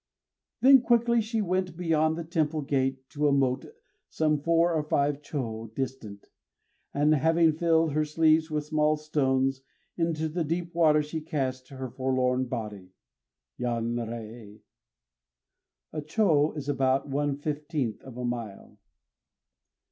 Then quickly she went beyond the temple gate to a moat some four or five chô distant; and having filled her sleeves with small stones, into the deep water she cast her forlorn body. Yanrei! A chô is about one fifteenth of a mile.